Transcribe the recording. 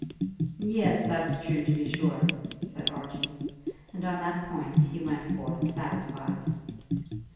"Yes, that's true, to be sure," said Archie; and on that point he went forth satisfied.